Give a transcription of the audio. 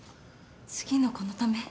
次の子のため？